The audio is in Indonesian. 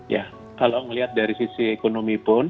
ya kalau melihat dari sisi ekonomi pun